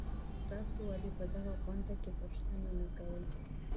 تاسو ولي په دغه غونډې کي پوښتنه نه کوئ؟